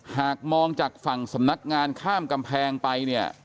หากมองจากฝั่งสำนักงานข้ามกำแพงไปเนี่ย